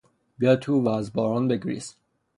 بیا تو و از باران بگریز!